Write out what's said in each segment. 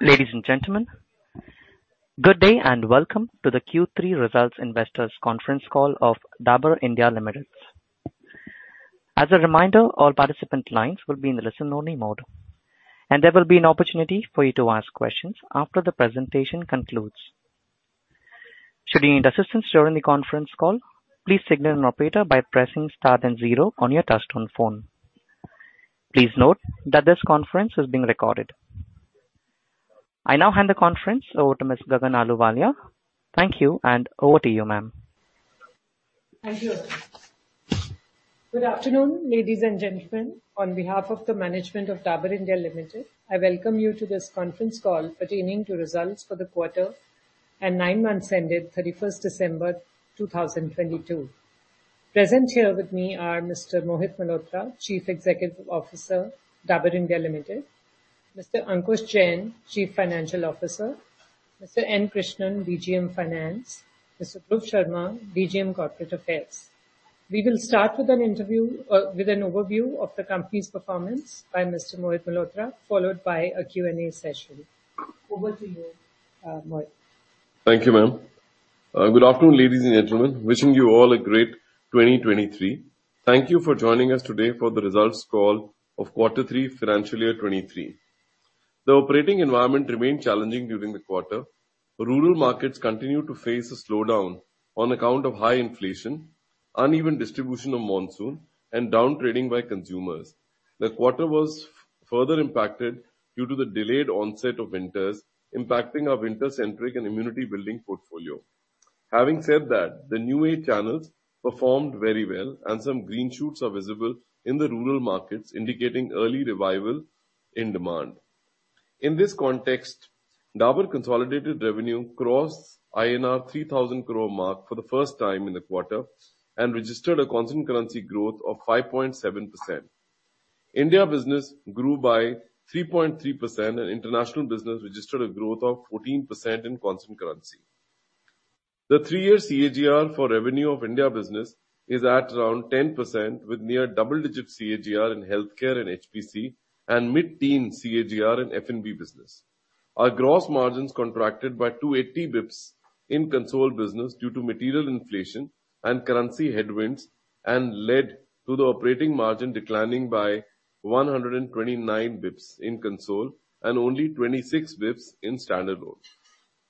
Ladies and gentlemen, good day and welcome to the Q3 Results Investors Conference Call of Dabur India Limited. As a reminder, all participant lines will be in the listen only mode, and there will be an opportunity for you to ask questions after the presentation concludes. Should you need assistance during the conference call, please signal an operator by pressing star then zero on your touchtone phone. Please note that this conference is being recorded. I now hand the conference over to Ms. Gagan Ahluwalia. Thank you, and over to you, Ma'am. Thank you. Good afternoon, ladies and gentlemen. On behalf of the management of Dabur India Limited, I welcome you to this conference call pertaining to results for the quarter and nine months ended 31st December 2022. Present here with me are Mr. Mohit Malhotra, Chief Executive Officer, Dabur India Limited, Mr. Ankush Jain, Chief Financial Officer, Mr. N. Krishnan, DGM Finance, Mr. Prithvi Shergill, DGM Corporate Affairs. We will start with an interview, with an overview of the company's performance by Mr. Mohit Malhotra, followed by a Q&A session. Over to you, Mohit. Thank you, ma'am. Good afternoon, ladies and gentlemen. Wishing you all a great 2023. Thank you for joining us today for the results call of quarter three financial year 2023. The operating environment remained challenging during the quarter. Rural markets continued to face a slowdown on account of high inflation, uneven distribution of monsoon and downtrading by consumers. The quarter was further impacted due to the delayed onset of winters impacting our winter-centric and immunity building portfolio. Having said that, the new age channels performed very well and some green shoots are visible in the rural markets, indicating early revival in demand. In this context, Dabur consolidated revenue crossed INR 3,000 crore mark for the first time in the quarter and registered a constant currency growth of 5.7%. India business grew by 3.3% and international business registered a growth of 14% in constant currency. The three-year CAGR for revenue of India business is at around 10% with near double-digit CAGR in healthcare and HPC and mid-teen CAGR in F&B business. Our gross margins contracted by 280 basis points in consolidation business due to material inflation and currency headwinds and led to the operating margin declining by 129 basis points in consolidation and only 26 basis points in standalone.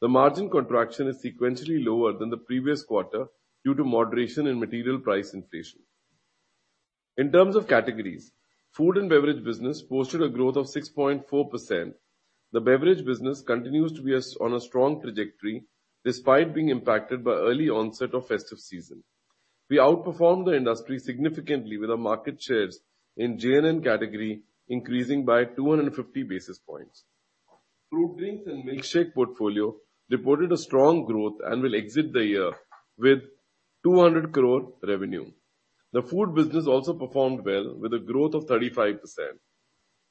The margin contraction is sequentially lower than the previous quarter due to moderation in material price inflation. In terms of categories, food and beverage business posted a growth of 6.4%. The beverage business continues to be on a strong trajectory despite being impacted by early onset of festive season. We outperformed the industry significantly with our market shares in JNN category increasing by 250 basis points. Fruit drinks and milkshake portfolio reported a strong growth and will exit the year with 200 crore revenue. The food business also performed well with a growth of 35%.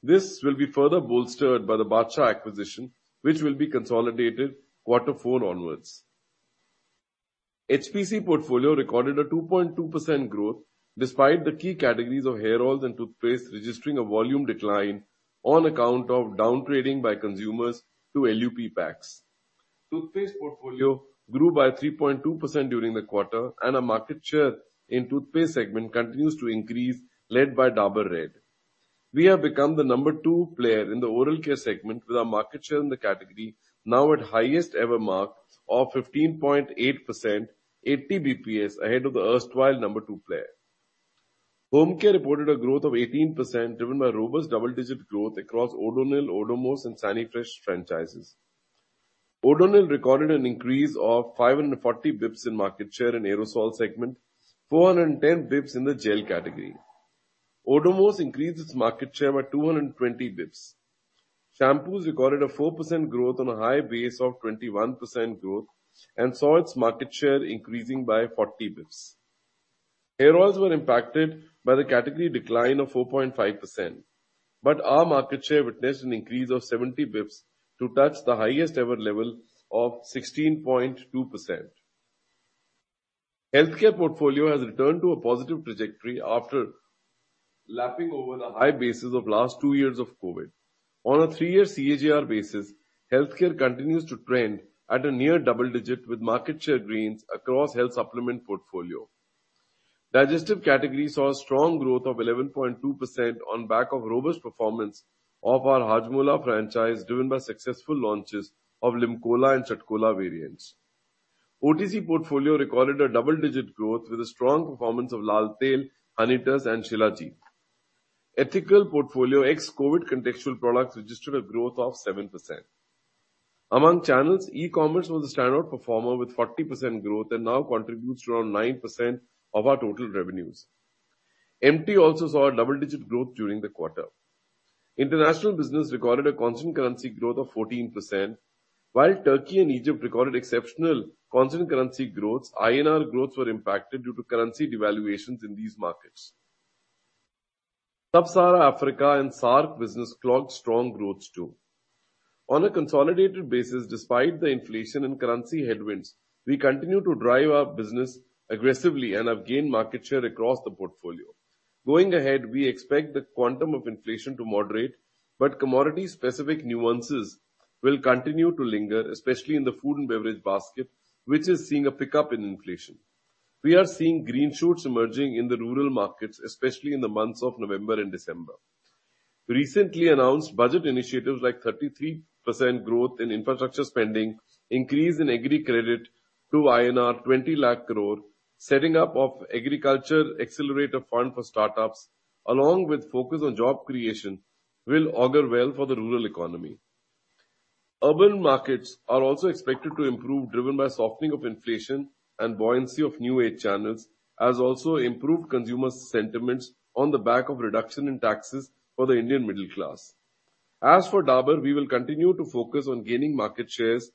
This will be further bolstered by the Badshah acquisition, which will be consolidated quarter four onwards. HPC portfolio recorded a 2.2% growth despite the key categories of hair oils and toothpaste registering a volume decline on account of downgrading by consumers to LUP packs. Toothpaste portfolio grew by 3.2% during the quarter, and our market share in toothpaste segment continues to increase, led by Dabur Red. We have become the number two player in the oral care segment with our market share in the category now at highest ever mark of 15.8%, 80 basis points ahead of the erstwhile number two player. Home care reported a growth of 18% driven by robust double-digit growth across Odonil, Odomos, and Sanifresh franchises. Odonil recorded an increase of 540 basis points in market share in aerosol segment, 410 basis points in the gel category. Odomos increased its market share by 220 basis points. Shampoos recorded a 4% growth on a high base of 21% growth and saw its market share increasing by 40 basis points. Hair oils were impacted by the category decline of 4.5%, but our market share witnessed an increase of 70 basis points to touch the highest ever level of 16.2%. Healthcare portfolio has returned to a positive trajectory after lapping over the high bases of last two years of COVID. On a three-year CAGR basis, healthcare continues to trend at a near double-digit with market share gains across health supplement portfolio. Digestive category saw a strong growth of 11.2% on back of robust performance of our Hajmola franchise, driven by successful launches of LimCola and Chatcola variants. OTC portfolio recorded a double-digit growth with a strong performance of Lal Tail, Honitus, and Shilajit. Ethical portfolio ex-COVID contextual products registered a growth of 7%. Among channels, e-commerce was a standout performer with 40% growth and now contributes around 9% of our total revenues. MT also saw a double-digit growth during the quarter. International business recorded a constant currency growth of 14%. While Turkey and Egypt recorded exceptional constant currency growth, INR growth were impacted due to currency devaluations in these markets. Sub-Sahara Africa and SAARC business clocked strong growth too. On a consolidated basis, despite the inflation and currency headwinds, we continue to drive our business aggressively and have gained market share across the portfolio. Going ahead, we expect the quantum of inflation to moderate, but commodity specific nuances will continue to linger, especially in the food and beverage basket, which is seeing a pickup in inflation. We are seeing green shoots emerging in the rural markets, especially in the months of November and December. Recently announced budget initiatives like 33% growth in infrastructure spending, increase in agri credit to INR 20 lakh crore, setting up of Agriculture Accelerator Fund for startups, along with focus on job creation will augur well for the rural economy. Urban markets are also expected to improve, driven by softening of inflation and buoyancy of new aid channels, as also improved consumer sentiments on the back of reduction in taxes for the Indian middle class. As for Dabur, we will continue to focus on gaining market shares,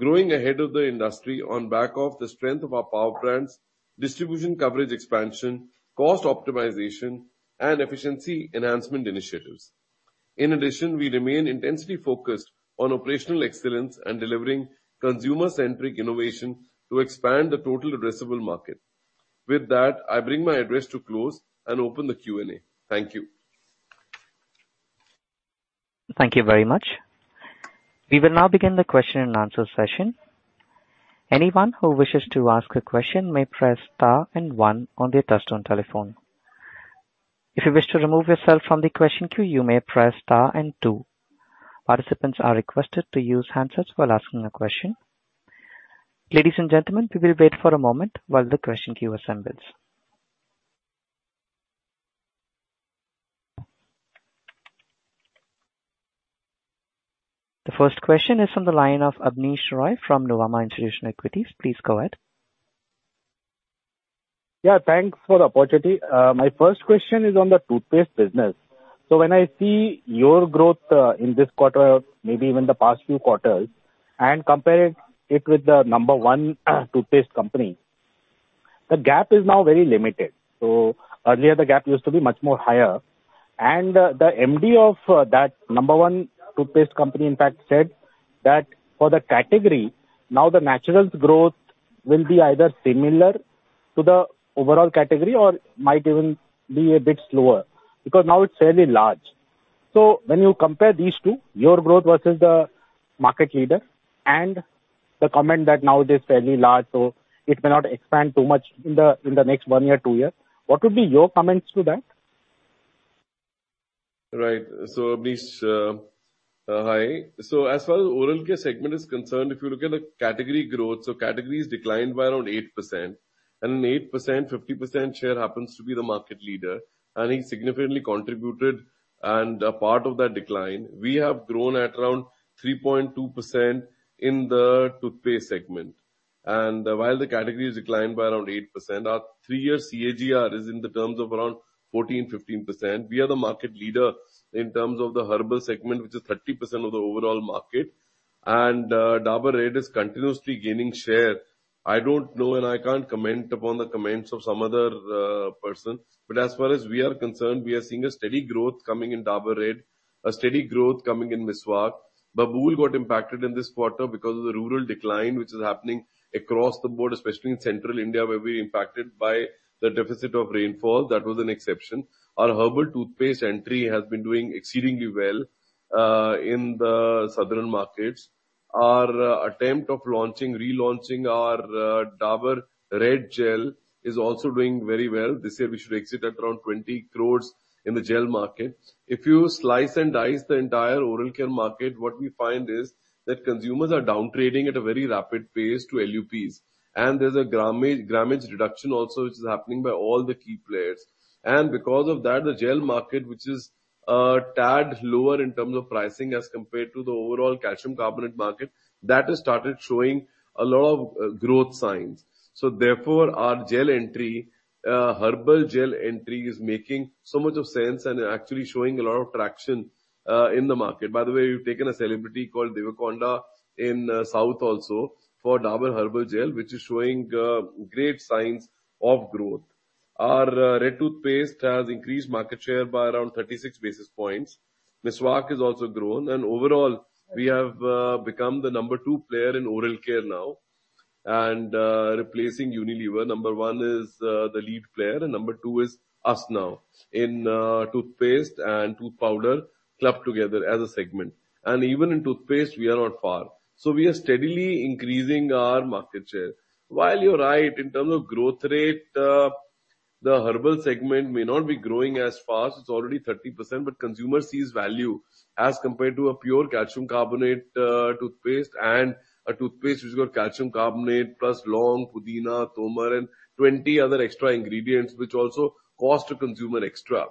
growing ahead of the industry on back of the strength of our power brands, distribution coverage expansion, cost optimization and efficiency enhancement initiatives. In addition, we remain intensely focused on operational excellence and delivering consumer-centric innovation to expand the total addressable market. With that, I bring my address to close and open the Q&A. Thank you. Thank you very much. We will now begin the question and answer session. Anyone who wishes to ask a question may press star and one on their touch-tone telephone. If you wish to remove yourself from the question queue, you may press star and two. Participants are requested to use handsets while asking a question. Ladies and gentlemen, we will wait for a moment while the question queue assembles. The first question is from the line of Abneesh Roy from Nuvama Institutional Equities. Please go ahead. Yeah, thanks for the opportunity. My first question is on the toothpaste business. When I see your growth in this quarter, maybe even the past few quarters, and compare it with the number one toothpaste company, the gap is now very limited. Earlier, the gap used to be much more higher. The MD of that number one toothpaste company, in fact, said that for the category now the naturals growth will be either similar to the overall category or might even be a bit slower, because now it's fairly large. When you compare these two, your growth versus the market leader and the comment that now it is fairly large, so it may not expand too much in the next one year, two year, what would be your comments to that? Right. Abneesh, hi. As far as oral care segment is concerned, if you look at the category growth, category has declined by around 8%. In 8%, 50% share happens to be the market leader. He significantly contributed and a part of that decline. We have grown at around 3.2% in the toothpaste segment. While the category has declined by around 8%, our three-year CAGR is in the terms of around 14%-15%. We are the market leader in terms of the herbal segment, which is 30% of the overall market. Dabur Red is continuously gaining share. I don't know and I can't comment upon the comments of some other person. As far as we are concerned, we are seeing a steady growth coming in Dabur Red, a steady growth coming in Meswak. Babool got impacted in this quarter because of the rural decline, which is happening across the board, especially in central India, where we're impacted by the deficit of rainfall. That was an exception. Our herbal toothpaste entry has been doing exceedingly well in the southern markets. Our attempt of launching, relaunching our Dabur Red Gel is also doing very well. This year we should exit at around 20 crores in the gel market. If you slice and dice the entire oral care market, what we find is that consumers are down-trading at a very rapid pace to LUPs. There's a grammage reduction also which is happening by all the key players. Because of that, the gel market, which is a tad lower in terms of pricing as compared to the overall calcium carbonate market, that has started showing a lot of growth signs. Therefore, our gel entry, Herbal Gel entry is making so much of sense and actually showing a lot of traction in the market. By the way, we've taken a celebrity called Deverakonda in the south also for Dabur Herbal Gel, which is showing great signs of growth. Our Red toothpaste has increased market share by around 36 basis points. Meswak has also grown. Overall, we have become the number two player in oral care now. Replacing Unilever, number one is the lead player and number two is us now in toothpaste and tooth powder clubbed together as a segment. Even in toothpaste we are not far. We are steadily increasing our market share. While you're right, in terms of growth rate, the herbal segment may not be growing as fast, it's already 30%, but consumer sees value as compared to a pure calcium carbonate toothpaste and a toothpaste which has got calcium carbonate plus Laung, Pudina, Tomar, and 20 other extra ingredients which also cost the consumer extra.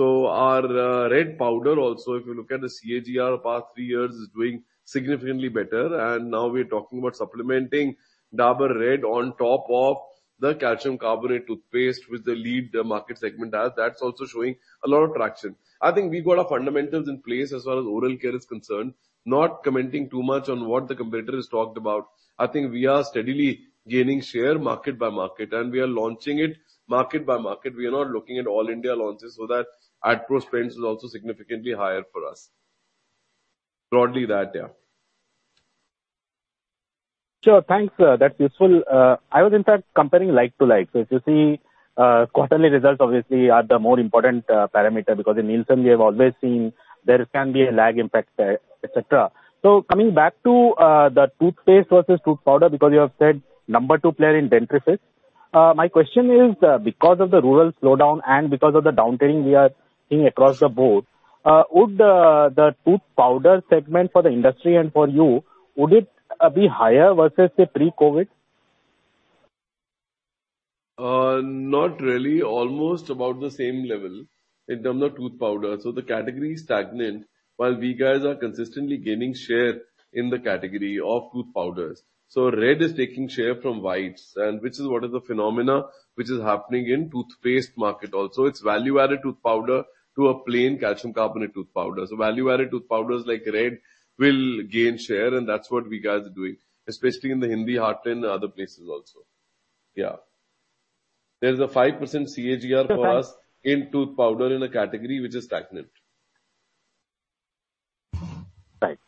Our red powder also, if you look at the CAGR of past three years, is doing significantly better. Now we're talking about supplementing Dabur Red on top of the calcium carbonate toothpaste with the lead market segment as that's also showing a lot of traction. I think we've got our fundamentals in place as far as oral care is concerned. Not commenting too much on what the competitor has talked about. I think we are steadily gaining share market by market. We are launching it market by market. We are not looking at all India launches. That ad pro spends is also significantly higher for us. Broadly that, yeah. Sure. Thanks, that's useful. I was in fact comparing like to like. If you see, quarterly results obviously are the more important parameter, because in Nielsen we have always seen there can be a lag impact, et cetera. Coming back to the toothpaste versus tooth powder, because you have said number two player in dentifrice. My question is, because of the rural slowdown and because of the downtrend we are seeing across the board, would the tooth powder segment for the industry and for you, would it be higher versus say pre-COVID? Not really. Almost about the same level in terms of tooth powder. The category is stagnant while we guys are consistently gaining share in the category of tooth powders. Red is taking share from whites and which is what is the phenomena which is happening in toothpaste market also. It's value-added tooth powder to a plain calcium carbonate tooth powder. Value-added tooth powders like Red will gain share, and that's what we guys are doing, especially in the Hindi heartland and other places also. Yeah. There's a 5% CAGR for us in tooth powder in a category which is stagnant. Right.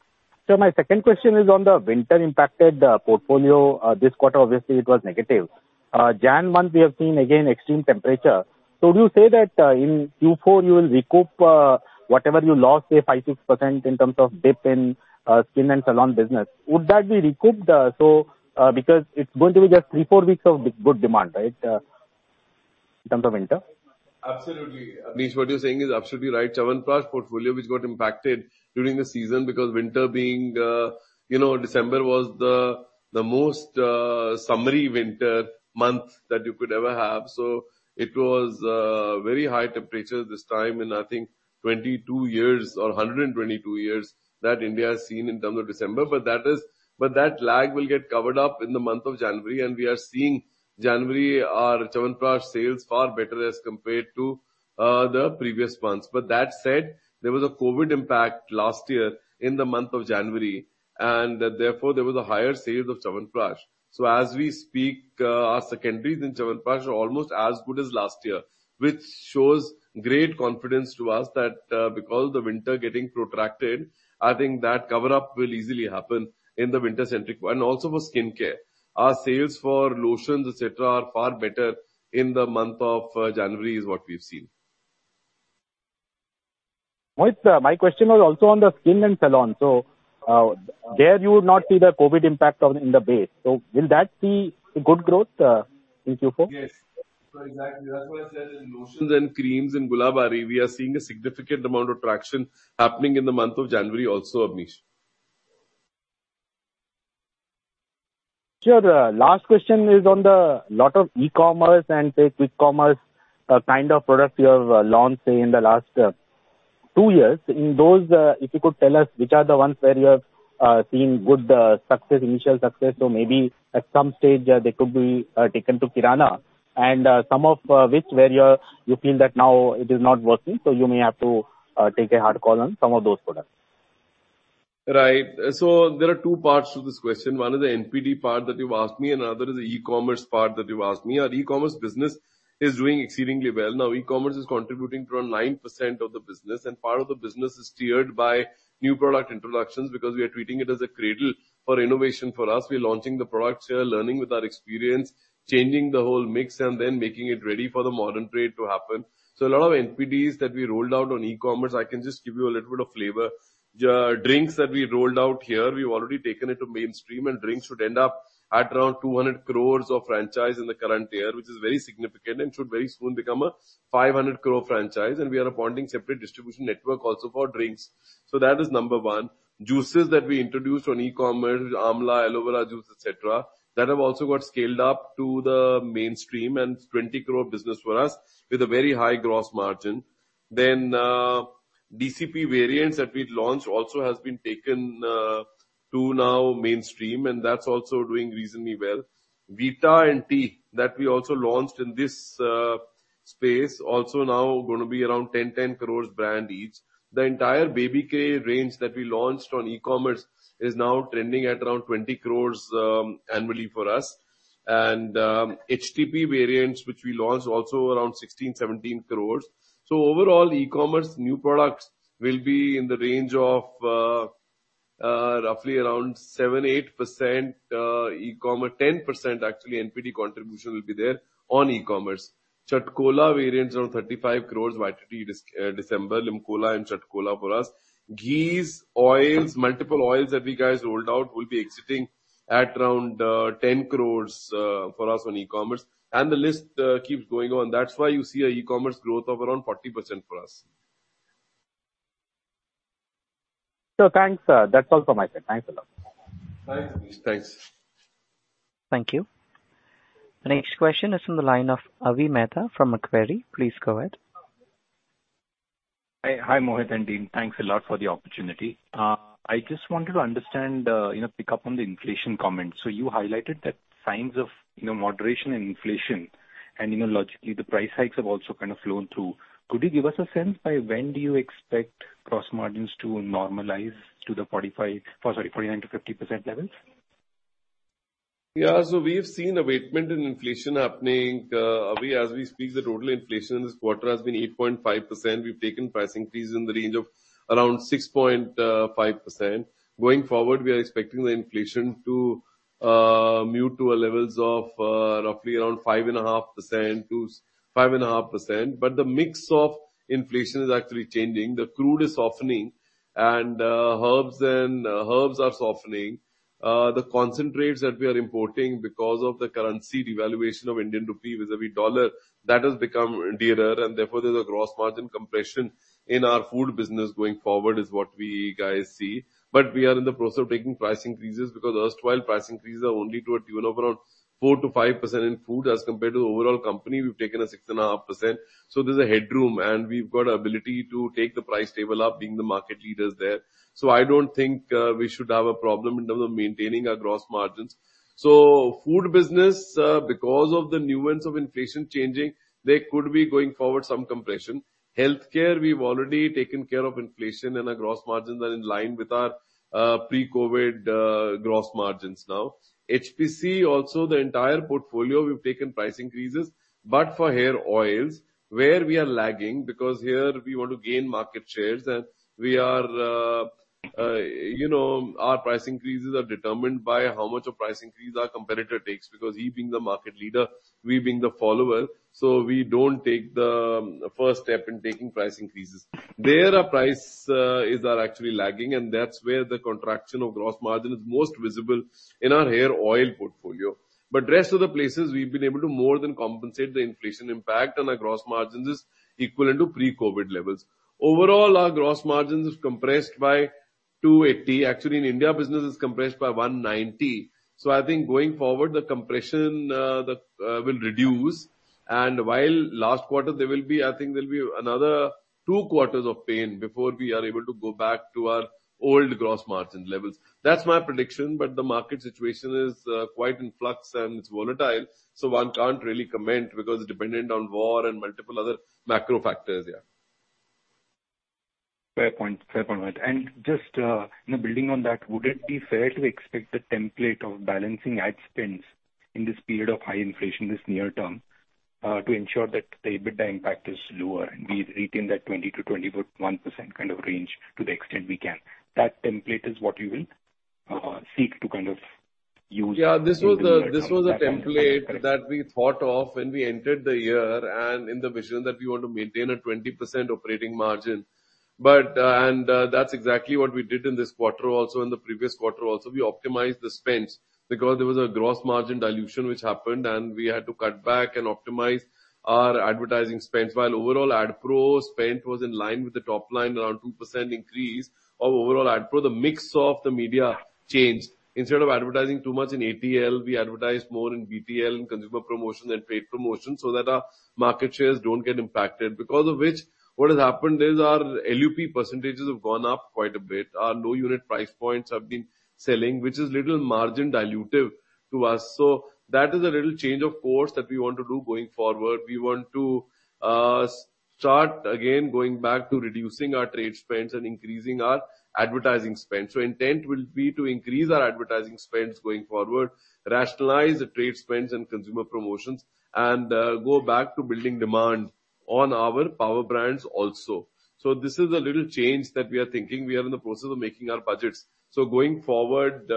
My second question is on the winter impacted portfolio. This quarter obviously it was negative. Jan month we have seen again extreme temperature. Would you say that in Q4 you will recoup whatever you lost, say 5%-6% in terms of dip in skin and salon business? Would that be recouped because it's going to be just three to four weeks of good demand, right? In terms of winter. Absolutely. Abneesh, what you're saying is absolutely right. Chyawanprash portfolio which got impacted during the season because winter being, you know, December was the most summery winter month that you could ever have. It was very high temperature this time in I think 22 years or 122 years that India has seen in terms of December. That lag will get covered up in the month of January, and we are seeing January our Chyawanprash sales far better as compared to the previous months. That said, there was a COVID impact last year in the month of January, and therefore there was a higher sales of Chyawanprash. As we speak, our second read in Chyawanprash are almost as good as last year, which shows great confidence to us that, because the winter getting protracted, I think that cover up will easily happen in the winter centric. Also for skincare. Our sales for lotions, et cetera, are far better in the month of January, is what we've seen. Mohit, my question was also on the skin and salon. There you would not see the COVID impact on, in the base. Will that see good growth in Q4? Yes. Exactly. That's why I said in lotions and creams, in Gulabari, we are seeing a significant amount of traction happening in the month of January also, Abneesh. Sure. Last question is on the lot of e-commerce and say quick commerce kind of product you have launched say in the last two years. In those, if you could tell us which are the ones where you have seen good success, initial success, or maybe at some stage, they could be taken to kirana. Some of which where you're, you feel that now it is not working, so you may have to take a hard call on some of those products. There are two parts to this question. One is the NPD part that you've asked me, another is the e-commerce part that you've asked me. Our e-commerce business is doing exceedingly well. E-commerce is contributing to around 9% of the business, and part of the business is steered by new product introductions because we are treating it as a cradle for innovation for us. We're launching the products here, learning with our experience, changing the whole mix and then making it ready for the modern trade to happen. A lot of NPDs that we rolled out on e-commerce, I can just give you a little bit of flavor. Drinks that we rolled out here, we've already taken it to mainstream. Drinks should end up at around 200 crore of franchise in the current year, which is very significant and should very soon become a 500 crore franchise. We are appointing separate distribution network also for drinks. That is number one. Juices that we introduced on e-commerce, amla, aloe vera juice, et cetera, that have also got scaled up to the mainstream and 20 crore business for us with a very high gross margin. DCP variants that we'd launched also has been taken to now mainstream, and that's also doing reasonably well. Vita and tea that we also launched in this space also now gonna be around 10 crore brand each. The entire Baby Care range that we launched on e-commerce is now trending at around 20 crores annually for us. HTP variants, which we launched also around 16-17 crores. Overall, e-commerce new products will be in the range of roughly 7%-8% e-commerce. 10% actually NPD contribution will be there on e-commerce. Chatcola variants around 35 crores YTD December, LimCola and Chatcola for us. Ghees, oils, multiple oils that we guys rolled out will be exiting at around 10 crores for us on e-commerce. The list keeps going on. That's why you see a e-commerce growth of around 40% for us. Thanks. That's all from my side. Thanks a lot. Thanks, Abneesh. Thanks. Thank you. The next question is from the line of Avi Mehta from Macquarie. Please go ahead. Hi. Hi, Mohit and team. Thanks a lot for the opportunity. I just wanted to understand, you know, pick up on the inflation comments. You highlighted that signs of, you know, moderation and inflation and, you know, logically the price hikes have also kind of flown through. Could you give us a sense by when do you expect gross margins to normalize to the 45%... oh sorry, 49%-50% levels? We have seen abatement in inflation happening. As we speak, the total inflation this quarter has been 8.5%. We've taken price increase in the range of around 6.5%. Going forward, we are expecting the inflation to mute to levels of roughly around 5.5%-5.5%. The mix of inflation is actually changing. The crude is softening and herbs are softening. The concentrates that we are importing because of the currency devaluation of Indian rupee vis-à-vis dollar, that has become dearer and therefore there's a gross margin compression in our food business going forward, is what we guys see. We are in the process of taking price increases because erstwhile price increase are only to a tune of around 4%-5% in food. As compared to the overall company, we've taken a 6.5%. There's a headroom, and we've got ability to take the price table up, being the market leaders there. I don't think we should have a problem in terms of maintaining our gross margins. Food business, because of the nuance of inflation changing, there could be, going forward, some compression. Healthcare, we've already taken care of inflation, and our gross margins are in line with our pre-COVID gross margins now. HPC also, the entire portfolio, we've taken price increases. For hair oils, where we are lagging, because here we want to gain market shares and we are, you know, our price increases are determined by how much of price increase our competitor takes. He being the market leader, we being the follower, so we don't take the first step in taking price increases. There our price are actually lagging, and that's where the contraction of gross margin is most visible, in our hair oil portfolio. Rest of the places we've been able to more than compensate the inflation impact, and our gross margins is equivalent to pre-COVID levels. Overall, our gross margins have compressed by 280. Actually, in India business it's compressed by 190. I think going forward, the compression will reduce. While last quarter there will be, I think there'll be another two quarters of pain before we are able to go back to our old gross margin levels. That's my prediction. The market situation is quite in flux and it's volatile, so one can't really comment because it's dependent on war and multiple other macro factors. Fair point. Fair point. Just, you know, building on that, would it be fair to expect the template of balancing ad spends in this period of high inflation this near term, to ensure that the EBITDA impact is lower and we retain that 20%-21% kind of range to the extent we can? That template is what you will, seek to kind of use. Yeah. This was a template that we thought of when we entered the year and in the vision that we want to maintain a 20% operating margin. That's exactly what we did in this quarter also. In the previous quarter also, we optimized the spends because there was a gross margin dilution which happened, and we had to cut back and optimize our advertising spends. While overall ad pro spend was in line with the top line, around 2% increase of overall ad pro, the mix of the media changed. Instead of advertising too much in ATL, we advertised more in BTL, in consumer promotion and trade promotion, so that our market shares don't get impacted. Because of which, what has happened is our LUP percentages have gone up quite a bit. Our low unit price points have been selling, which is little margin dilutive to us. That is a little change of course that we want to do going forward. We want to start again going back to reducing our trade spends and increasing our advertising spends. Intent will be to increase our advertising spends going forward, rationalize the trade spends and consumer promotions, and go back to building demand on our power brands also. This is a little change that we are thinking. We are in the process of making our budgets. Going forward,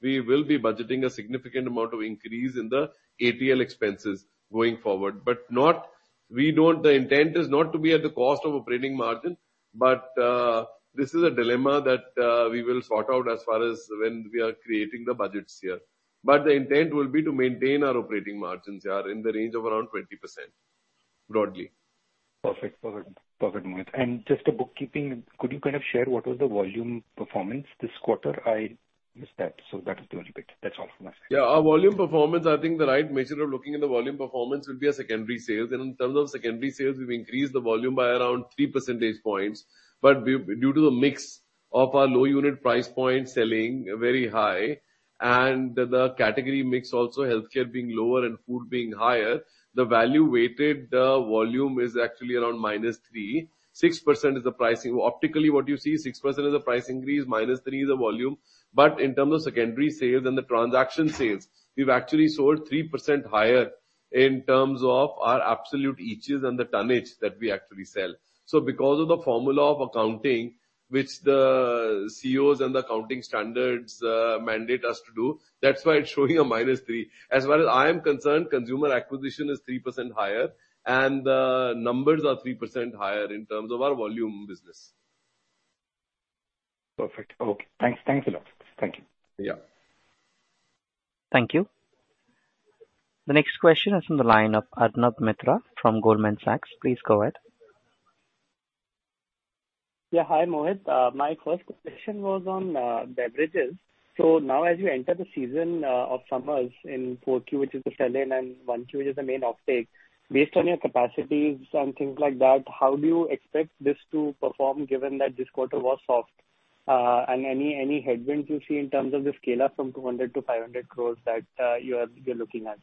we will be budgeting a significant amount of increase in the ATL expenses going forward. The intent is not to be at the cost of operating margin. This is a dilemma that we will sort out as far as when we are creating the budgets here. The intent will be to maintain our operating margins, yeah, in the range of around 20%, broadly. Perfect, Mohit. Just a bookkeeping, could you kind of share what was the volume performance this quarter? I missed that, so that is the only bit. That's all from my side. Our volume performance, I think the right measure of looking at the volume performance will be our secondary sales. In terms of secondary sales, we've increased the volume by around 3 percentage points. Due to the mix of our low unit price point selling very high and the category mix also, healthcare being lower and food being higher, the value weighted volume is actually around -3%. 6% is the pricing. Optically what you see, 6% is the price increase, -3% is the volume. In terms of secondary sales and the transaction sales, we've actually sold 3% higher in terms of our absolute eachs and the tonnage that we actually sell. Because of the formula of accounting, which the COs and the accounting standards mandate us to do, that's why it's showing a -3%. As well as I am concerned, consumer acquisition is 3% higher and the numbers are 3% higher in terms of our volume business. Perfect. Okay. Thanks. Thanks a lot. Thank you. Yeah. Thank you. The next question is from the line of Arnab Mitra from Goldman Sachs. Please go ahead. Yeah. Hi, Mohit. My first question was on beverages. Now as you enter the season of summers in 4Q, which is the sell-in, and 1Q, which is the main offtake, based on your capacities and things like that, how do you expect this to perform given that this quarter was soft? Any headwinds you see in terms of the scale up from 200-500 crores that you are, you're looking at?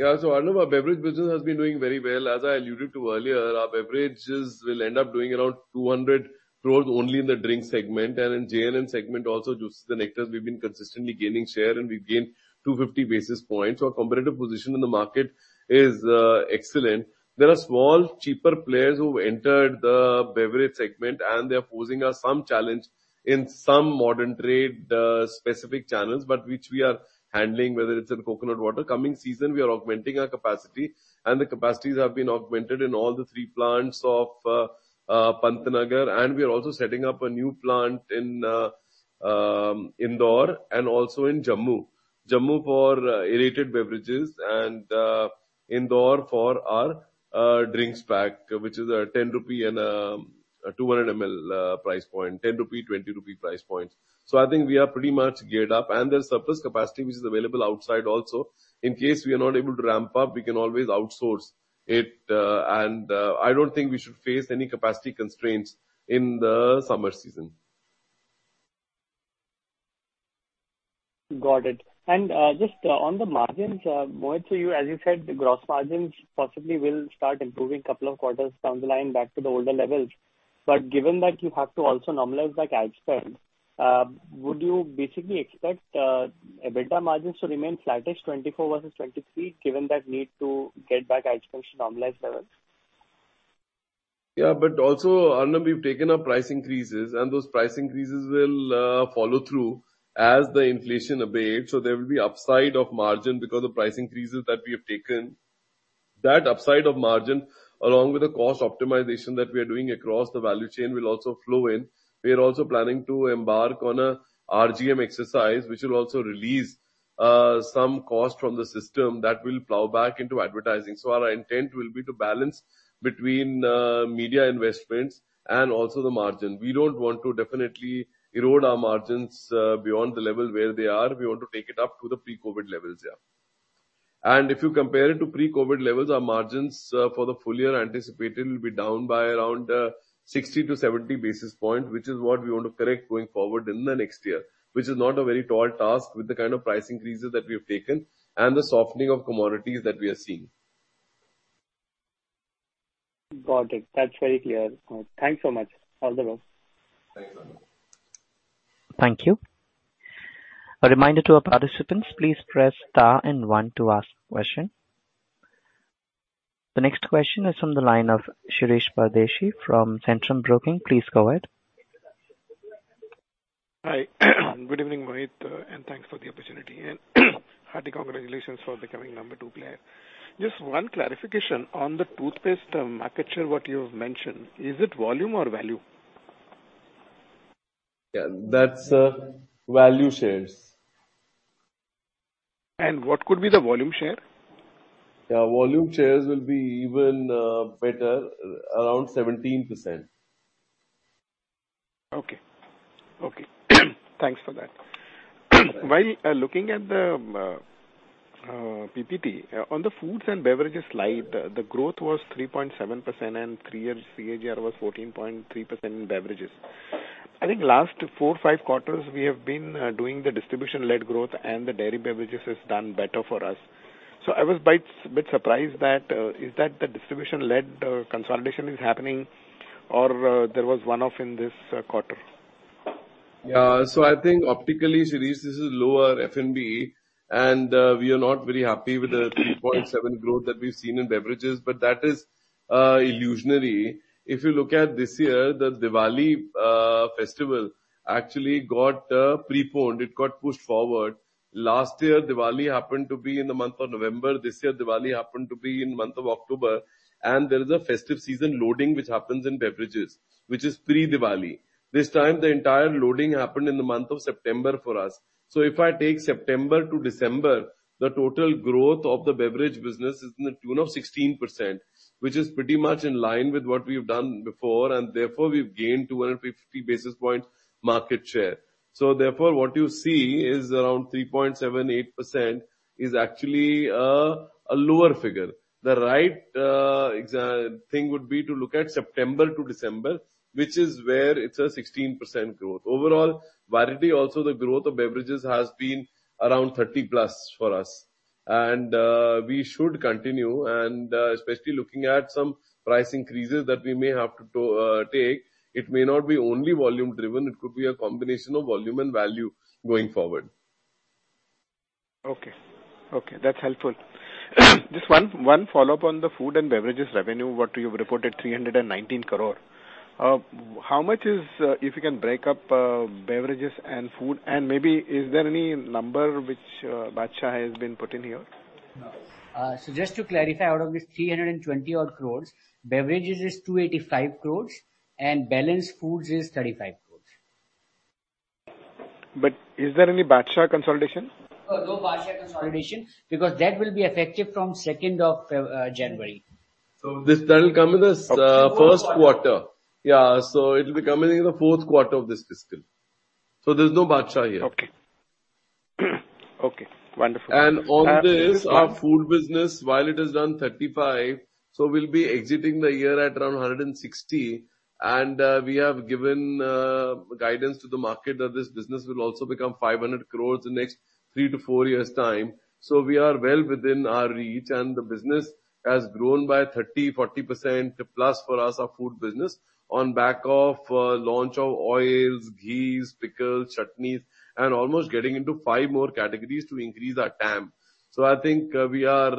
Arnab, our beverage business has been doing very well. As I alluded to earlier, our beverages will end up doing around 200 crores only in the drinks segment. In JNN segment also, Juices and Nectars, we've been consistently gaining share, and we've gained 250 basis points. Our competitive position in the market is excellent. There are small, cheaper players who entered the beverage segment, and they are posing us some challenge in some modern trade specific channels, but which we are handling, whether it's in coconut water. Coming season, we are augmenting our capacity, and the capacities have been augmented in all the three plants of Pantnagar, and we are also setting up a new plant in Indore and also in Jammu. Jammu for aerated beverages and Indore for our drinks pack, which is a 10 rupee and a 200 ml price point. 10 rupee, 20 rupee price points. I think we are pretty much geared up. There's surplus capacity which is available outside also. In case we are not able to ramp up, we can always outsource it. I don't think we should face any capacity constraints in the summer season. Got it. Just on the margins, Mohit, to you, as you said, the gross margins possibly will start improving couple of quarters down the line back to the older levels. Given that you have to also normalize that ad spend, would you basically expect EBITDA margins to remain flattish 2024 versus 2023, given that need to get back ad spend to normalized levels? Yeah. Arnab, we've taken our price increases, and those price increases will follow through as the inflation abates. There will be upside of margin because the price increases that we have taken. That upside of margin, along with the cost optimization that we are doing across the value chain, will also flow in. We are also planning to embark on a RGM exercise, which will also release some cost from the system that will flow back into advertising. Our intent will be to balance between media investments and also the margin. We don't want to definitely erode our margins beyond the level where they are. We want to take it up to the pre-COVID levels, yeah. If you compare it to pre-COVID levels, our margins, for the full year anticipated will be down by around, 60-70 basis points, which is what we want to correct going forward in the next year, which is not a very tall task with the kind of price increases that we have taken and the softening of commodities that we are seeing. Got it. That's very clear, Mohit. Thanks so much. All the best. Thanks, Arnab. Thank you. A reminder to our participants, please press star and one to ask question. The next question is from the line of Shirish Pardeshi from Centrum Broking. Please go ahead. Hi. Good evening, Mohit, thanks for the opportunity. Hearty congratulations for becoming number two player. Just one clarification. On the toothpaste, market share, what you have mentioned, is it volume or value? Yeah, that's, value shares. What could be the volume share? Yeah, volume shares will be even better, around 17%. Okay. Okay. Thanks for that. While looking at the PPT on the foods and beverages slide, the growth was 3.7% and three years CAGR was 14.3% in beverages. I think last four to five quarters we have been doing the distribution-led growth. The dairy beverages has done better for us. I was bit surprised that is that the distribution-led consolidation is happening or there was one-off in this quarter? I think optically, Shirish, this is lower F&B, and we are not very happy with the 3.7% growth that we've seen in beverages, but that is illusory. If you look at this year, the Diwali festival actually got preponed. It got pushed forward. Last year, Diwali happened to be in the month of November. This year, Diwali happened to be in month of October. There is a festive season loading which happens in beverages, which is pre-Diwali. This time, the entire loading happened in the month of September for us. If I take September to December, the total growth of the beverage business is in the tune of 16%, which is pretty much in line with what we have done before, and therefore we've gained 250 basis point market share. Therefore, what you see is around 3.78% is actually a lower figure. The right thing would be to look at September to December, which is where it's a 16% growth. Overall, variably also, the growth of beverages has been around 30+ for us. We should continue and especially looking at some price increases that we may have to take, it may not be only volume driven. It could be a combination of volume and value going forward. Okay. Okay, that's helpful. Just one follow-up on the food and beverages revenue, what you've reported, 319 crore. How much is, if you can break up, beverages and food? Maybe is there any number which Badshah has been put in here? Just to clarify, out of this 320 odd crores, beverages is 285 crores and balance foods is 35 crores. Is there any Badshah consolidation? No Badshah consolidation, because that will be effective from second of Feb, January. That'll come in this first quarter. Yeah. It'll be coming in the fourth quarter of this fiscal. There's no Badshah here. Okay, wonderful. On this, our food business, while it has done 35 crores, we'll be exiting the year at around 160 crores, and we have given guidance to the market that this business will also become 500 crores in next three to four years' time. We are well within our reach, and the business has grown by 30%, 40%+ for us, our food business, on back of launch of oils, ghees, pickles, chutneys, and almost getting into five more categories to increase our TAM. I think, we are,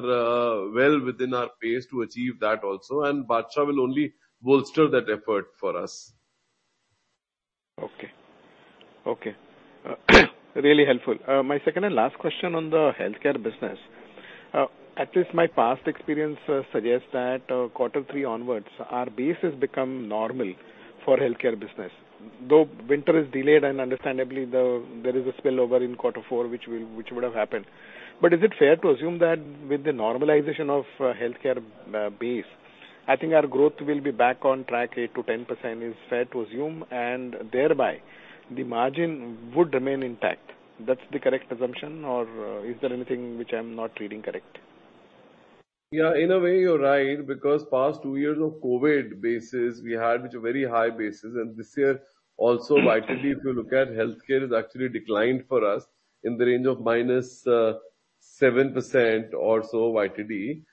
well within our pace to achieve that also. Badshah will only bolster that effort for us. Okay. Okay. Really helpful. My second and last question on the healthcare business. At least my past experience suggests that quarter three onwards, our base has become normal for healthcare business. Though winter is delayed and understandably there is a spillover in quarter four which would have happened. Is it fair to assume that with the normalization of healthcare base, I think our growth will be back on track, 8%-10% is fair to assume, and thereby the margin would remain intact, that's the correct assumption, or is there anything which I'm not reading correct? In a way you're right, because past two years of COVID bases we had which were very high bases, and this year also YTD if you look at, healthcare has actually declined for us in the range of -7% or so YTD.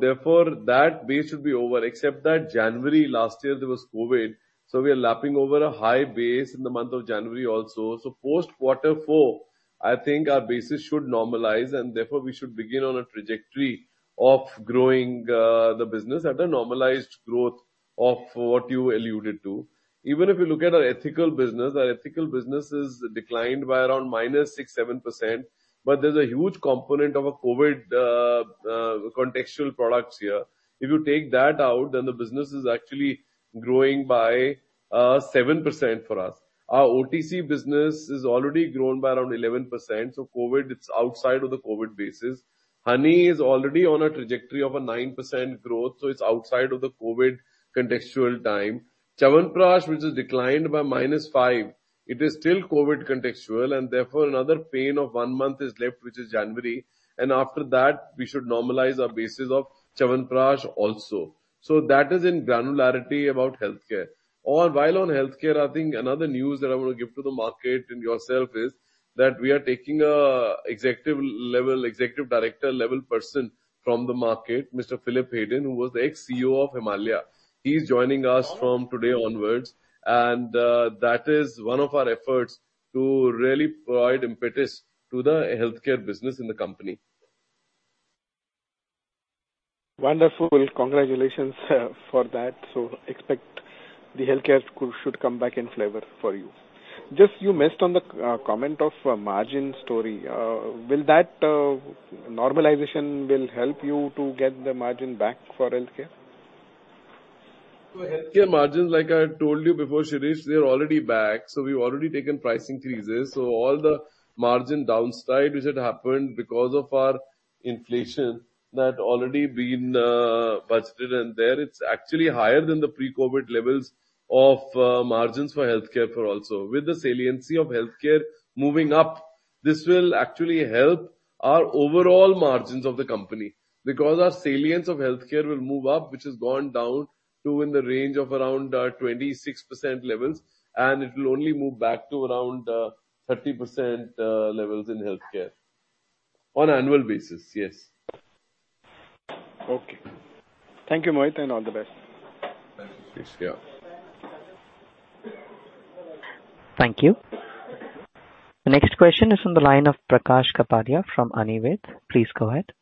Therefore, that base should be over. Except that January last year there was COVID, so we are lapping over a high base in the month of January also. Post quarter four, I think our bases should normalize, and therefore we should begin on a trajectory of growing the business at a normalized growth of what you alluded to. Even if you look at our ethical business, our ethical business has declined by around -6%-7%, but there's a huge component of a COVID contextual products here. If you take that out, the business is actually growing by 7% for us. Our OTC business has already grown by around 11%. COVID, it's outside of the COVID bases. Honey is already on a trajectory of a 9% growth, it's outside of the COVID contextual time. Chyawanprash, which has declined by -5%, it is still COVID contextual, therefore another span of one month is left, which is January, and after that we should normalize our bases of Chyawanprash also. That is in granularity about healthcare. While on healthcare, I think another news that I want to give to the market and yourself is that we are taking a executive level, executive director level person from the market, Mr. Philipe Haydon, who was the ex-CEO of Himalaya. He's joining us from today onwards, and that is one of our efforts to really provide impetus to the healthcare business in the company. Wonderful. Congratulations for that. Expect the healthcare group should come back in flavor for you. Just you missed on the comment of margin story. Will that normalization will help you to get the margin back for healthcare? Healthcare margins, like I told you before, Shirish, they're already back. We've already taken pricing increases. All the margin downside which had happened because of our inflation, that already been budgeted in there. It's actually higher than the pre-COVID levels of margins for healthcare for also. With the saliency of healthcare moving up, this will actually help our overall margins of the company, because our salience of healthcare will move up, which has gone down to in the range of around 26% levels, and it will only move back to around 30% levels in healthcare. On annual basis, yes. Okay. Thank you, Mohit, and all the best. Thank you, Shirish. Yeah. Thank you. The next question is from the line of Prakash Kapadia from Anived. Please go ahead.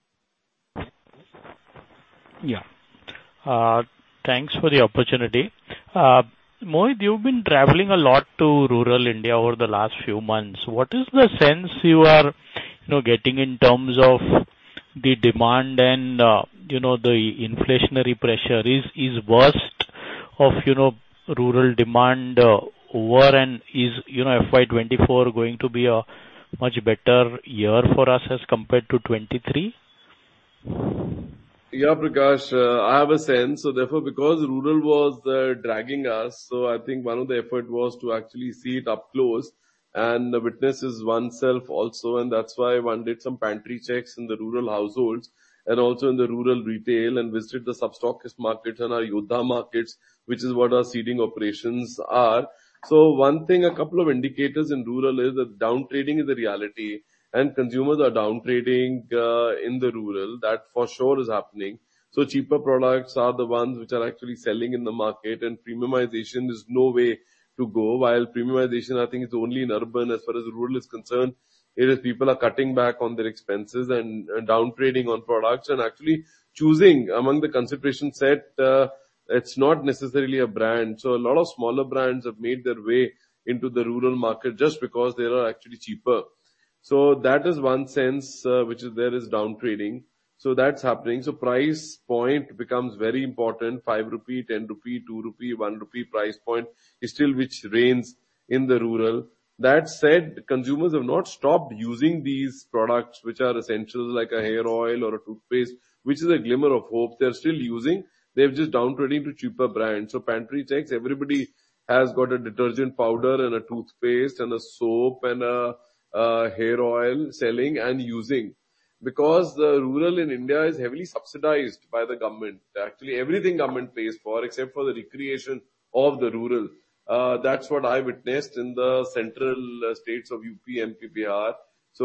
Yeah. Thanks for the opportunity. Mohit, you've been traveling a lot to rural India over the last few months. What is the sense you are, you know, getting in terms of the demand and, you know, the inflationary pressure? Is worst of, you know, rural demand over and is, you know, FY 2024 going to be a much better year for us as compared to 2023? Yeah, Prakash, I have a sense. Therefore, because rural was dragging us, I think one of the effort was to actually see it up close and witnesses oneself also, and that's why one did some pantry checks in the rural households and also in the rural retail and visited the sub-stockist market and our Yoddha markets, which is what our seeding operations are. One thing, a couple of indicators in rural is that downtrading is a reality and consumers are downtrading in the rural. That for sure is happening. Cheaper products are the ones which are actually selling in the market, and premiumization is no way to go. While premiumization I think is only in urban, as far as rural is concerned, it is people are cutting back on their expenses and downtrading on products and actually choosing among the consideration set, it's not necessarily a brand. A lot of smaller brands have made their way into the rural market just because they are actually cheaper. That is one sense, which is there is downtrading. That's happening. Price point becomes very important. 5 rupee, 10 rupee, 2 rupee, 1 rupee price point is still which reigns in the rural. That said, consumers have not stopped using these products which are essential, like a hair oil or a toothpaste, which is a glimmer of hope. They're still using. They've just downtraded to cheaper brands. Pantry checks, everybody has got a detergent powder and a toothpaste and a soap and a hair oil selling and using. Because the rural in India is heavily subsidized by the government. Actually, everything government pays for except for the recreation of the rural. That's what I witnessed in the central states of UP and Bihar.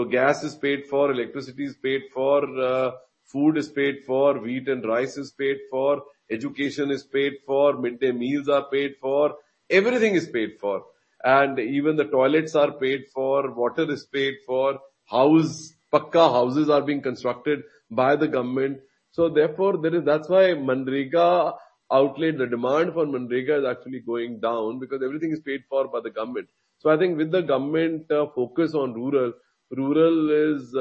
Gas is paid for, electricity is paid for, food is paid for, wheat and rice is paid for, education is paid for, midday meals are paid for. Everything is paid for. Even the toilets are paid for, water is paid for. House, pucca houses are being constructed by the government. Therefore, that's why MGNREGA outlaid the demand for MGNREGA is actually going down because everything is paid for by the government. I think with the government focus on rural is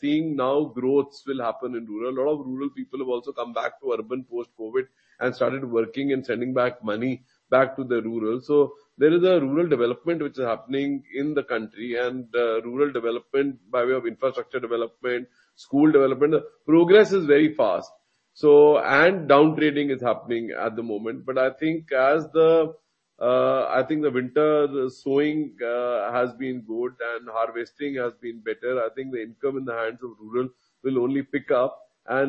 seeing now growths will happen in rural. A lot of rural people have also come back to urban post-COVID and started working and sending back money back to the rural. There is a rural development which is happening in the country and rural development by way of infrastructure development, school development. Progress is very fast. Downgrading is happening at the moment. I think the winter sowing has been good and harvesting has been better. I think the income in the hands of rural will only pick up.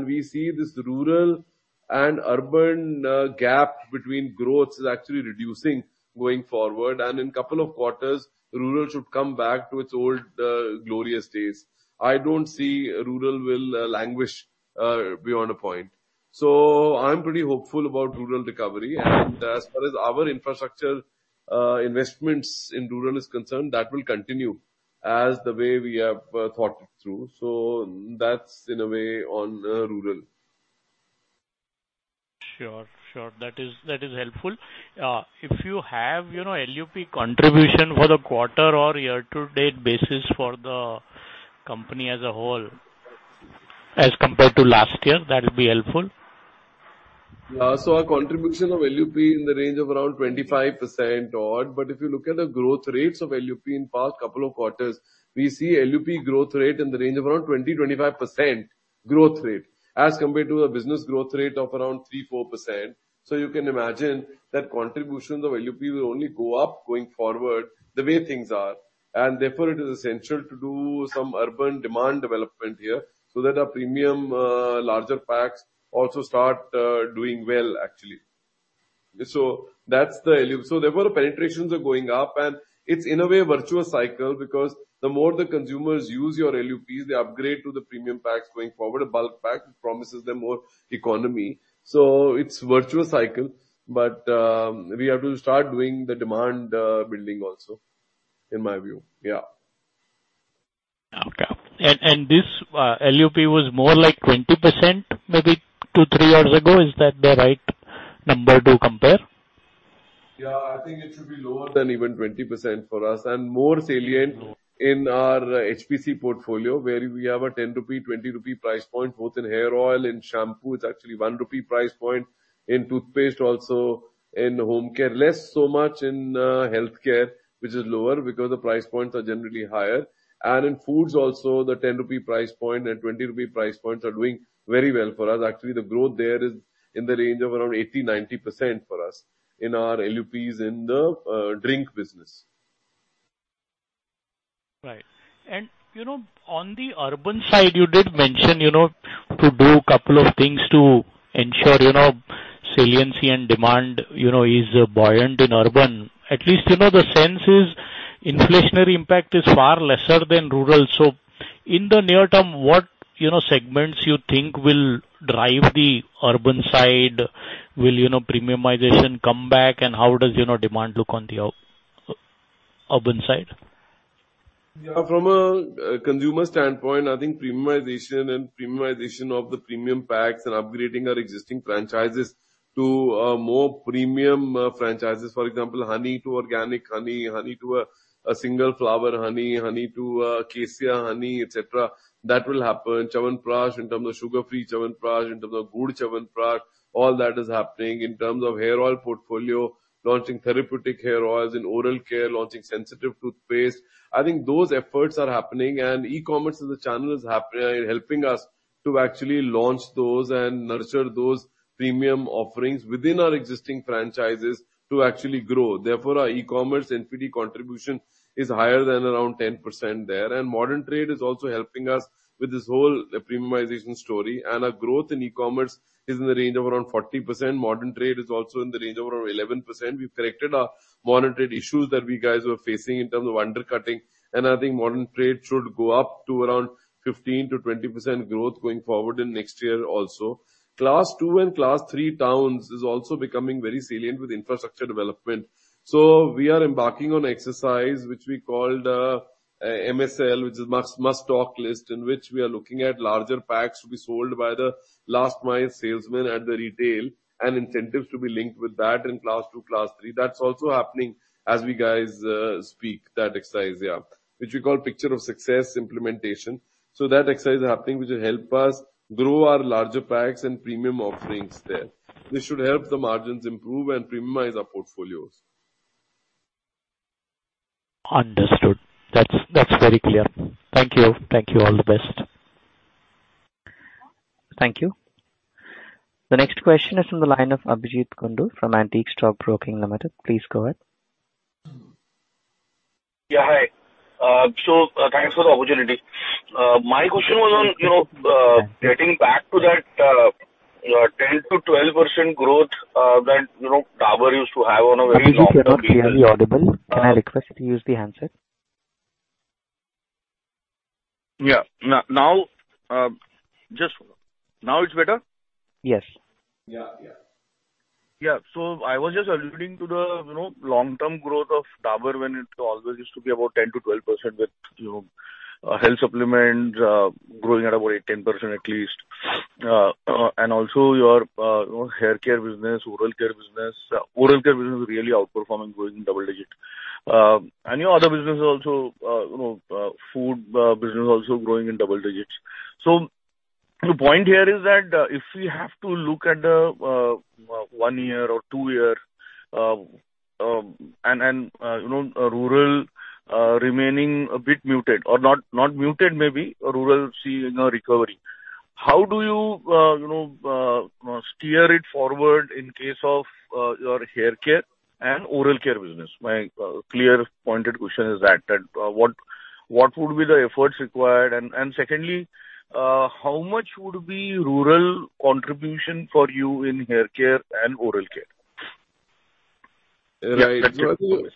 We see this rural and urban gap between growth is actually reducing going forward. In couple of quarters, rural should come back to its old glorious days. I don't see rural will languish beyond a point. I'm pretty hopeful about rural recovery. As far as our infrastructure investments in rural is concerned, that will continue as the way we have thought it through. That's in a way on rural. Sure. Sure. That is, that is helpful. If you have, you know, LUP contribution for the quarter or year-to-date basis for the company as a whole as compared to last year, that would be helpful. Our contribution of LUP is in the range of around 25% odd. If you look at the growth rates of LUP in past couple of quarters, we see LUP growth rate in the range of around 20%-25% growth rate as compared to a business growth rate of around 3%-4%. You can imagine that contributions of LUP will only go up going forward the way things are, and therefore it is essential to do some urban demand development here so that our premium, larger packs also start doing well actually. That's the LUP. Therefore, penetrations are going up, and it's in a way a virtuous cycle because the more the consumers use your LUPs, they upgrade to the premium packs going forward. A bulk pack promises them more economy, so it's virtuous cycle. We have to start doing the demand, building also, in my view. Yeah. Okay. this, LUP was more like 20% maybe two, three years ago. Is that the right number to compare? I think it should be lower than even 20% for us, and more salient in our HPC portfolio, where we have an 10 rupee, 20 rupee price point, both in hair oil and shampoo. It's actually an 1 rupee price point in toothpaste also, in home care. Less so much in healthcare, which is lower because the price points are generally higher. In foods also, the 10 rupee price point and 20 rupee price points are doing very well for us. Actually, the growth there is in the range of around 80%, 90% for us in our LUPs in the drink business. Right. You know, on the urban side, you did mention, you know, to do a couple of things to ensure, you know, saliency and demand, you know, is buoyant in urban. At least, you know, the sense is inflationary impact is far lesser than rural. So in the near term, what, you know, segments you think will drive the urban side? Will, you know, premiumization come back? And how does, you know, demand look on the urban side? Yeah. From a consumer standpoint, I think premiumization and premiumization of the premium packs and upgrading our existing franchises to more premium franchises, for example, honey to organic honey to a single flower honey to a cassia honey, et cetera, that will happen. Chyawanprash, in terms of sugar-free Chyawanprash, in terms of gud Chyawanprash, all that is happening. In terms of hair oil portfolio, launching therapeutic hair oils. In oral care, launching sensitive toothpaste. I think those efforts are happening, helping us to actually launch those and nurture those premium offerings within our existing franchises to actually grow. Therefore, our e-commerce NPD contribution is higher than around 10% there. Modern trade is also helping us with this whole premiumization story. Our growth in e-commerce is in the range of around 40%. Modern trade is also in the range of around 11%. We've corrected our modern trade issues that we guys were facing in terms of undercutting, and I think modern trade should go up to around 15%-20% growth going forward in next year also. Class two and Class three towns is also becoming very salient with infrastructure development. We are embarking on exercise which we called MSL, which is must stock list, in which we are looking at larger packs to be sold by the last mile salesman at the retail and incentives to be linked with that in Class two, Class three. That's also happening as we guys speak, that exercise. Yeah. Which we call picture of success implementation. That exercise is happening, which will help us grow our larger packs and premium offerings there. This should help the margins improve and premiumize our portfolios. Understood. That's very clear. Thank you. Thank you. All the best. Thank you. The next question is from the line of Abhijeet Kundu from Antique Stock Broking Limited. Please go ahead. Hi. Thanks for the opportunity. My question was on, you know, getting back to that 10%-12% growth that, you know, Dabur used to have on a very long- Abhijeet, you're not clearly audible. Can I request you to use the handset? Yeah. Now it's better? Yes. Yeah, yeah. Yeah. I was just alluding to the, you know, long-term growth of Dabur when it always used to be about 10%-12% with, you know, health supplements, growing at about 8%-10% at least. Also your, you know, hair care business, oral care business. Oral care business really outperforming, growing double digits. Your other businesses also, you know, food business also growing in double digits. The point here is that, if we have to look at the one year or two year, and, you know, rural remaining a bit muted or not muted, maybe rural seeing a recovery. How do you know, steer it forward in case of your hair care and oral care business? My clear pointed question is that, what would be the efforts required? Secondly, how much would be rural contribution for you in hair care and oral care? Right. That's it.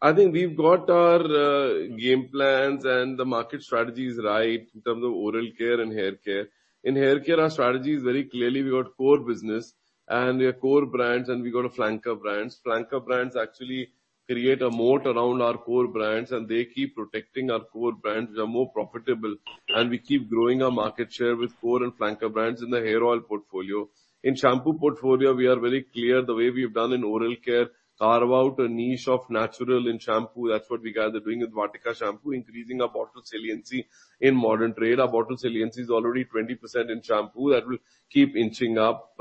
I think we've got our game plans and the market strategy is right in terms of oral care and hair care. In hair care, our strategy is very clearly we got core business and we have core brands, and we got a flanker brands. Flanker brands actually create a moat around our core brands, and they keep protecting our core brands. We are more profitable, and we keep growing our market share with core and flanker brands in the hair oil portfolio. In shampoo portfolio, we are very clear the way we've done in oral care, carve out a niche of natural in shampoo. That's what we guys are doing with Vatika shampoo, increasing our bottle saliency in modern trade. Our bottle saliency is already 20% in shampoo. That will keep inching up,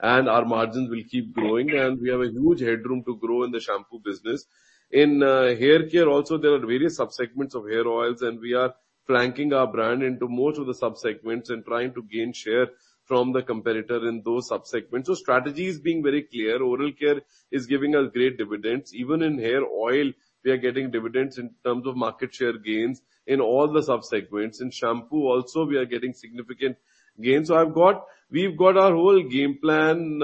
and our margins will keep growing. We have a huge headroom to grow in the shampoo business. In hair care also, there are various sub-segments of hair oils, and we are flanking our brand into most of the sub-segments and trying to gain share from the competitor in those sub-segments. Strategy is being very clear. Oral care is giving us great dividends. Even in hair oil, we are getting dividends in terms of market share gains in all the sub-segments. In shampoo also we are getting significant gains. We've got our whole game plan,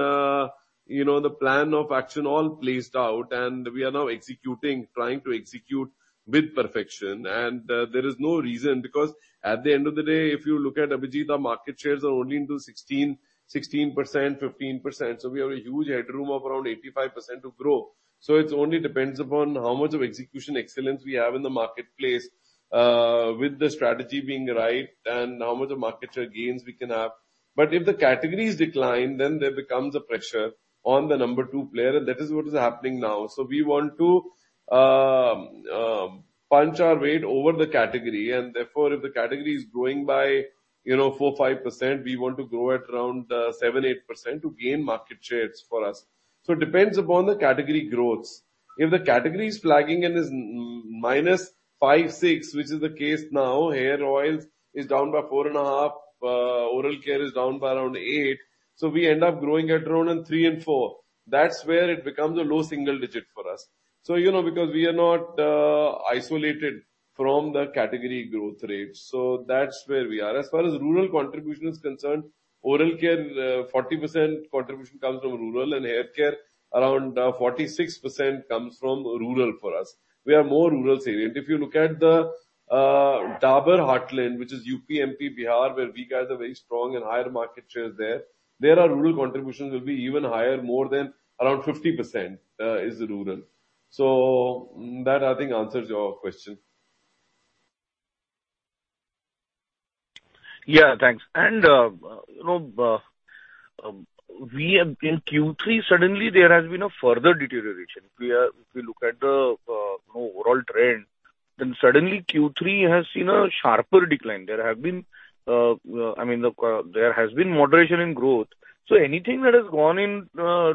you know, the plan of action all placed out and we are now executing, trying to execute with perfection. There is no reason, because at the end of the day, if you look at, Abhijeet, our market shares are only into 16%, 15%. We have a huge headroom of around 85% to grow. It only depends upon how much of execution excellence we have in the marketplace with the strategy being right and how much of market share gains we can have. If the categories decline, then there becomes a pressure on the number two player, and that is what is happening now. We want to punch our weight over the category, and therefore if the category is growing by, you know, 4%-5%, we want to grow at around 7%-8% to gain market shares for us. It depends upon the category growths. If the category is flagging and is -5%, -6%, which is the case now, hair oils is down by 4.5%, oral care is down by around 8%. We end up growing at around in three and four. That's where it becomes a low single digit for us. You know, because we are not isolated from the category growth rates. That's where we are. As far as rural contribution is concerned, oral care, 40% contribution comes from rural and hair care around 46% comes from rural for us. We are more rural salient. If you look at the Dabur heartland, which is UP, MP, Bihar, where we guys are very strong and higher market share is there our rural contribution will be even higher, more than around 50% is rural. That I think answers your question. Yeah, thanks. You know, we have... In Q3, suddenly there has been a further deterioration. If we look at the, you know, overall trend, then suddenly Q3 has seen a sharper decline. There have been, I mean, there has been moderation in growth. Anything that has gone in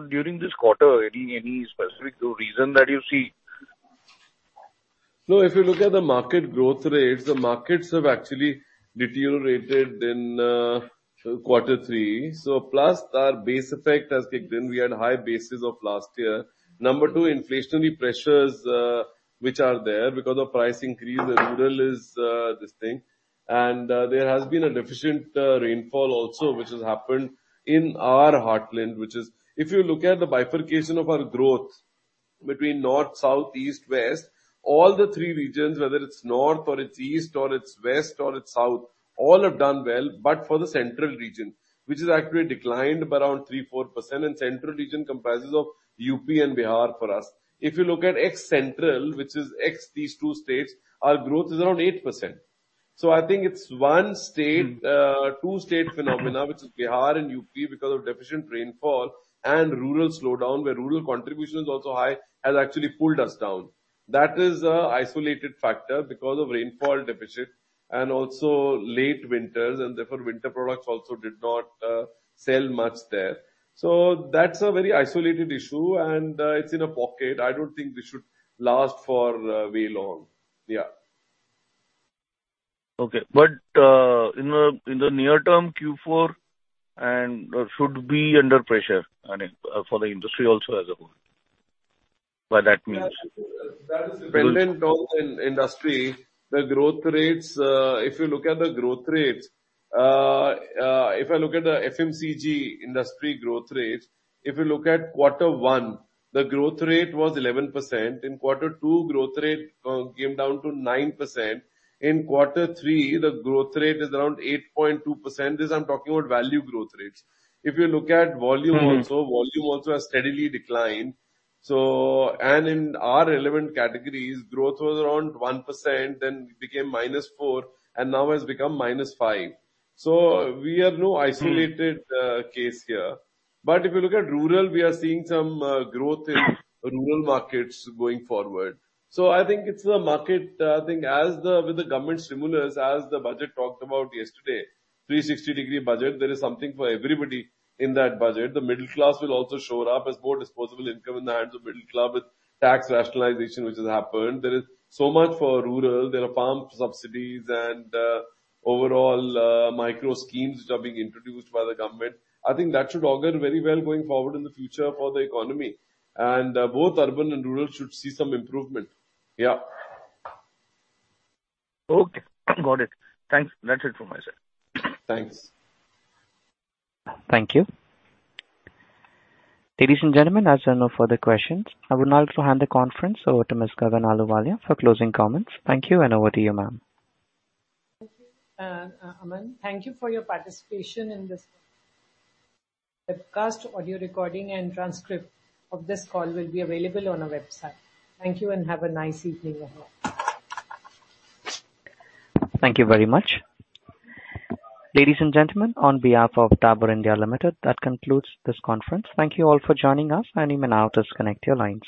during this quarter, any specific reason that you see? No. If you look at the market growth rates, the markets have actually deteriorated in quarter three. Plus our base effect has kicked in. We had high bases of last year. Number two, inflationary pressures, which are there because of price increase in rural is this thing. There has been a deficient rainfall also, which has happened in our heartland. If you look at the bifurcation of our growth between north, south, east, west, all the three regions, whether it's north or it's east or it's west or it's south, all have done well, but for the central region. Which has actually declined by around 3%-4% and central region comprises of UP and Bihar for us. If you look at ex-central, which is ex these two states, our growth is around 8%. I think it's one state, two state phenomena, which is Bihar and UP, because of deficient rainfall and rural slowdown, where rural contribution is also high, has actually pulled us down. That is a isolated factor because of rainfall deficit and also late winters and therefore winter products also did not sell much there. That's a very isolated issue and it's in a pocket. I don't think this should last for very long. Okay. In the near term Q4 and should be under pressure and for the industry also as a whole. That is dependent on industry, the growth rates, if you look at the growth rates, if I look at the FMCG industry growth rates, if you look at Q1, the growth rate was 11%. In Q2, growth rate, came down to 9%. In Q3, the growth rate is around 8.2%. This I'm talking about value growth rates. If you look at volume also- Mm-hmm. Volume also has steadily declined. In our relevant categories, growth was around 1%, then became -4%, and now has become -5%. We are no isolated case here. If you look at rural, we are seeing some growth in rural markets going forward. I think it's the market thing as the with the government stimulus, as the budget talked about yesterday, 360-degree budget. There is something for everybody in that budget. The middle class will also show up as more disposable income in the hands of middle class with tax rationalization, which has happened. There is so much for rural. There are farm subsidies and overall, micro schemes which are being introduced by the government. I think that should augur very well going forward in the future for the economy. Both urban and rural should see some improvement. Yeah. Okay. Got it. Thanks. That's it from my side. Thanks. Thank you. Ladies and gentlemen, as there are no further questions, I would now hand the conference over to Ms. Gagan Ahluwalia for closing comments. Thank you, and over to you, ma'am. Thank you, Aman. Thank you for your participation in this. The cast, audio recording and transcript of this call will be available on our website. Thank you and have a nice evening everyone. Thank you very much. Ladies and gentlemen, on behalf of Dabur India Limited, that concludes this conference. Thank you all for joining us. You may now disconnect your lines.